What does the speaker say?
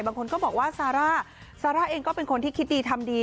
บางคนก็บอกว่าซาร่าซาร่าเองก็เป็นคนที่คิดดีทำดี